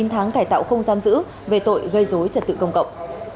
chín tháng cải tạo không giam giữ về tội gây dối trật tự công cộng